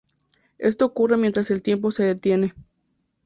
Esto ocurre mientras el tiempo se detiene.